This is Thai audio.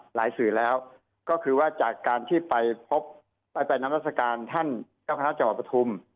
สื่อแล้วก็คือว่าจากการที่ไปพบไปนามราชการท่านเจ้าคณะจังหวัดปฐุม